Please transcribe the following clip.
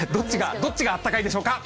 どっちがあったかいでしょう